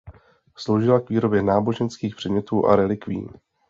Sloužila k výrobě náboženských předmětů a relikvií.